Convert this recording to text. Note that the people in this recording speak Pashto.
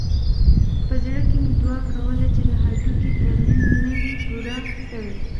په زړه کښې مې دعا کوله چې د هډوکي ترميم نه وي پوره سوى.